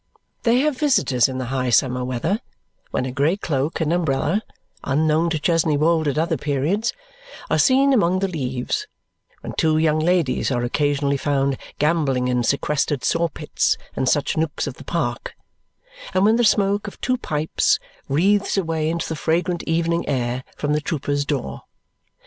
They have visitors in the high summer weather, when a grey cloak and umbrella, unknown to Chesney Wold at other periods, are seen among the leaves; when two young ladies are occasionally found gambolling in sequestered saw pits and such nooks of the park; and when the smoke of two pipes wreathes away into the fragrant evening air from the trooper's door.